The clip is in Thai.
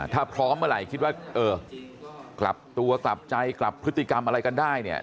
ถ้าพร้อมเมื่อไหร่คิดว่าเออกลับตัวกลับใจกลับพฤติกรรมอะไรกันได้เนี่ย